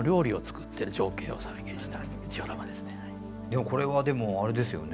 こちらはでもこれはでもあれですよね